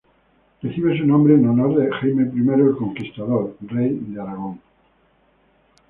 Recibe su nombre en honor de Jaime I "el Conquistador", rey de Aragón.